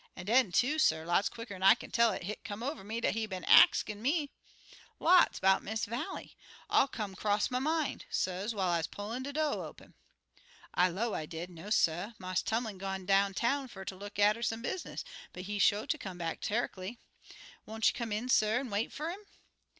An' den, too, suh, lots quicker'n I kin tell it, hit come over me dat he been axin' me lots 'bout Miss Vallie. All come 'cross my min', suh, whiles I pullin' de do' open. "I low, I did, 'No, suh; Marse Tumlin gone down town fer ter look atter some business, but he sho ter come back terreckly. Won't you come in, suh, an' wait fer 'im?'